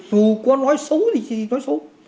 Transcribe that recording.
dù có nói xấu gì thì nói xấu